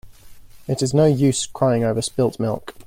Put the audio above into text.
It is no use crying over spilt milk.